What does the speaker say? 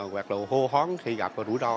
hoặc hô hoán khi gặp rủi ro